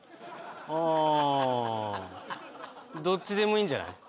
あどっちでもいいんじゃない？